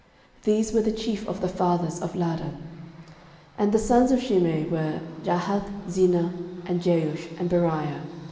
These were the chief of the fathers of Laadan. 13:023:010 And the sons of Shimei were, Jahath, Zina, and Jeush, and Beriah.